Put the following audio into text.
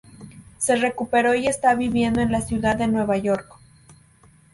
Se recuperó y está viviendo en la ciudad de Nueva York.